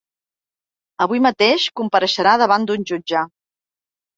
Avui mateix compareixerà davant d’un jutge.